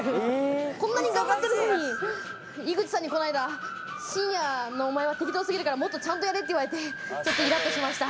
こんなに頑張ってるのに、井口さんにこの間、深夜のお前は適当過ぎるから、もっとちゃんとやれ！って言われて、ちょっとイラッとしました。